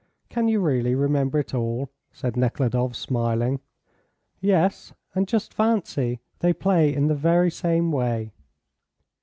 "Can you really remember it all?" said Nekhludoff, smiling. "Yes, and just fancy, they play in the very same way."